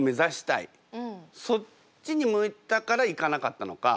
そっちに向いたから行かなかったのか